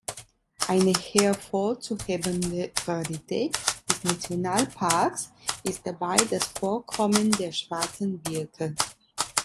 Eine hervorzuhebende Rarität des Nationalparks ist dabei das Vorkommen der schwarzen Birke.